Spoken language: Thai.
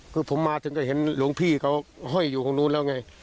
คือผมมาถึงก็เห็นหลวงพี่เขาห้อยอยู่ตรงนู้นแล้วไง